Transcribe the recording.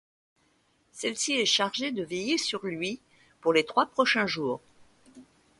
Celle-ci est chargée de veiller sur lui pour les trois prochains jours.